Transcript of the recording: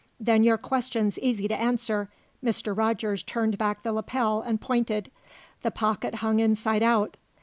"Then your question's easy to answer." Mr. Rogers turned back the lapel and pointed. The pocket hung inside out.